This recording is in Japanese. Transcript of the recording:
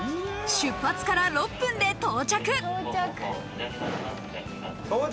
出発から６分で到着。